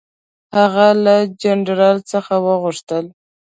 هغه له جنرال څخه وغوښتل.